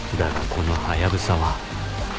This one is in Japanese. このハヤブサは